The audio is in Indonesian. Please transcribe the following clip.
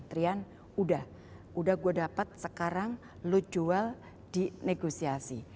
trian udah udah gue dapat sekarang lo jual di negosiasi